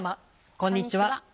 こんにちは。